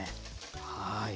はい。